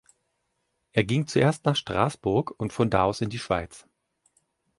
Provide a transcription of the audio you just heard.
Er ging zuerst nach Straßburg und von da aus in die Schweiz.